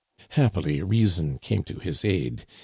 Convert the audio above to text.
" Happily, reason came to his aid.